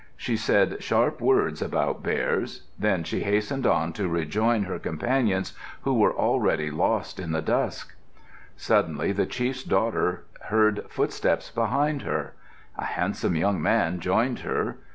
She said sharp words about bears. Then she hastened on to rejoin her companions who were already lost in the dusk. Suddenly the chief's daughter heard footsteps behind her. A handsome young man joined her.